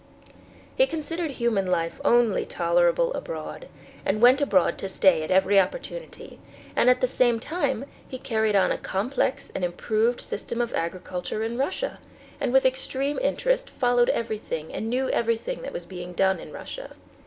He considered human life only tolerable abroad, and went abroad to stay at every opportunity, and at the same time he carried on a complex and improved system of agriculture in Russia, and with extreme interest followed everything and knew everything that was being done in Russia.